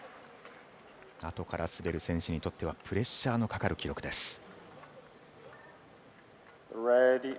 あとから滑る選手にとってはプレッシャーのかかる記録です。